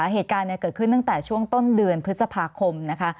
เหตุการณ์เกิดขึ้นตั้งแต่ช่วงต้นเดือนพฤษภาคมนะคะ